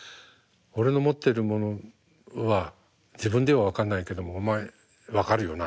「俺の持ってるものは自分では分かんないけどもお前分かるよな？」。